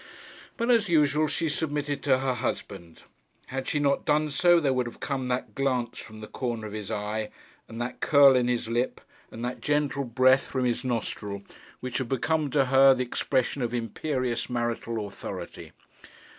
But, as usual, she submitted to her husband. Had she not done so, there would have come that glance from the corner of his eye, and that curl in his lip, and that gentle breath from his nostril, which had become to her the expression of imperious marital authority.